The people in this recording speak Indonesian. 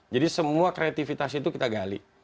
jadi semua kreativitas itu kita gali